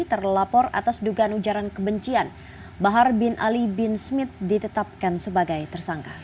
terlapor atas dugaan ujaran kebencian bahar bin ali bin smith ditetapkan sebagai tersangka